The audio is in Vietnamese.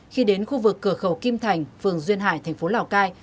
khi đến khu vực cửa khẩu kim thành phường duyên hải thành phố lào cai